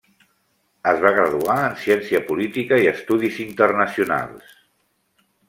Es va graduar en ciència política i estudis internacionals.